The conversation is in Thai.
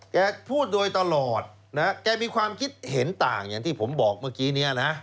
แกพูดโดยตลอดนะแกมีความคิดเห็นต่างอย่างที่ผมบอกเมื่อกี้เนี่ยนะ